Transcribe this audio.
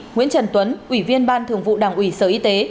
nguyễn trần tuấn ủy viên ban thường vụ đảng ủy sở y tế